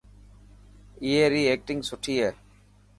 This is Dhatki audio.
اي ري ايڪٽنگ سٺي هي.